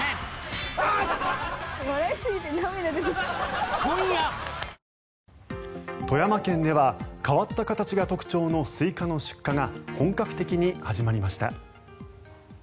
一夜明けた現場には富山県では変わった形が特徴のスイカの出荷が本格的に始まりました。